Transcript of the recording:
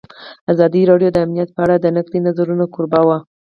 ازادي راډیو د امنیت په اړه د نقدي نظرونو کوربه وه.